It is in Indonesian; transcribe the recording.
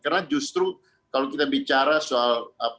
karena justru kalau kita bicara soal